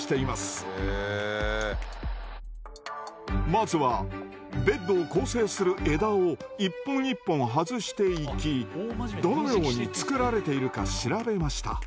まずはベッドを構成する枝を一本一本外していきどのように作られているか調べました。